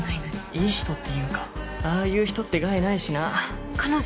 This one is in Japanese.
いい人っていうかああいう人って害ないしな。